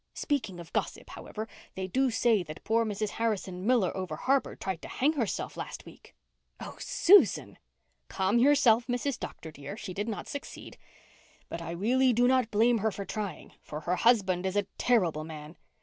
Speaking of gossip, however, they do say that poor Mrs. Harrison Miller over harbour tried to hang herself last week." "Oh, Susan!" "Calm yourself, Mrs. Dr. dear. She did not succeed. But I really do not blame her for trying, for her husband is a terrible man.